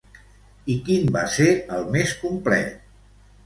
I quin va ser el més complet?